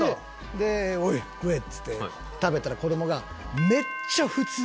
で「おい食え！」っつって食べたら子どもが。